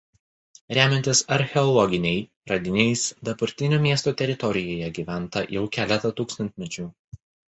Remiantis archeologiniai radiniais dabartinio miesto teritorijoje gyventa jau keletą tūkstantmečių.